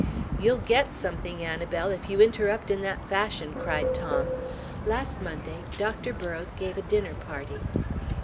"You'll get something, Annabel, if you interrupt in that fashion," cried Tom. "Last Monday, Dr. Burrows gave a dinner party.